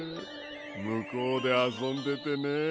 むこうであそんでてね。